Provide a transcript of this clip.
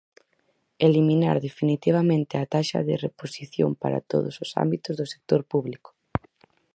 Eliminar definitivamente a taxa de reposición para todos os ámbitos do sector público.